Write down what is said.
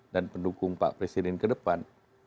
dan pendukung pak presiden ke depan